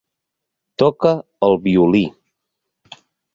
Toca el violí.